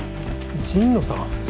神野さん！？